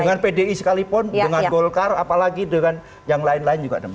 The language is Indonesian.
dengan pdi sekalipun dengan golkar apalagi dengan yang lain lain juga demikian